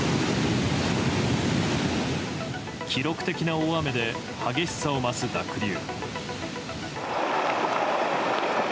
記録的な大雨で激しさを増す濁流。